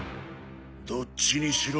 どっちにしろ